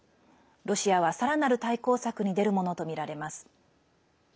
ロシアは、さらなる対抗策に出るものとみられます。